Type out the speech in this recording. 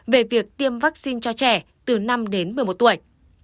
về việc tiêm vaccine cho trẻ từ năm đến một mươi một tuổi